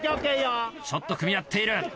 ちょっと組み合っている。